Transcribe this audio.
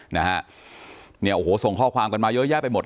นะฮะเนี่ยโอ้โหส่งข้อความกันมาเยอะแยะไปหมด